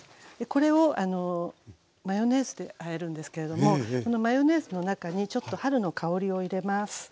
これをマヨネーズであえるんですけれどもこのマヨネーズの中にちょっと春の香りを入れます。